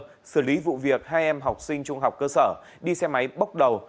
đội cảnh sát giao thông công an thành phố đông xoài đã mời hai em học sinh trung học cơ sở đi xe máy bốc đầu